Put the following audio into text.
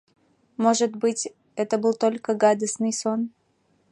Может быть, это был только гадостный сон?